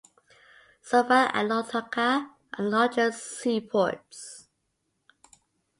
Suva and Lautoka are the largest seaports.